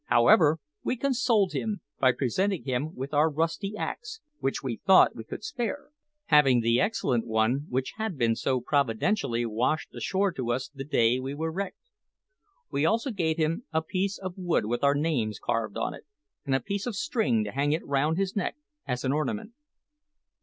However, we consoled him by presenting him with our rusty axe, which we thought we could spare, having the excellent one which had been so providentially washed ashore to us the day we were wrecked. We also gave him a piece of wood with our names carved on it, and a piece of string to hang it round his neck as an ornament.